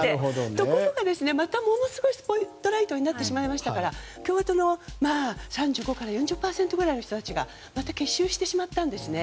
ところがまたものすごいスポットライトになってしまいましたから共和党の３５から４０％くらいの人たちがまた結集してしまったんですね。